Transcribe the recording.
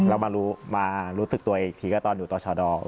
แล้วมารู้สึกตัวอีกทีก็ตอนอยู่ต่อชะดอ